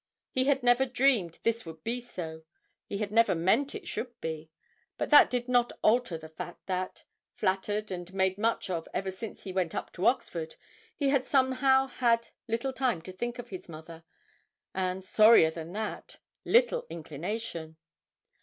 He had never dreamed this would be so; he had never meant it should be; but that did not alter the fact that, flattered and made much of ever since he went up to Oxford, he had somehow had little time to think of his mother, and, sorrier than that, little inclination.